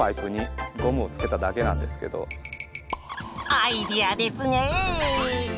アイデアですね。